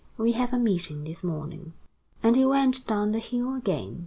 We have a meeting this morning." And he went down the hill again.